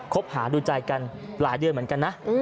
คบหาดูใจกันหลายเดือนเหมือนกันนะ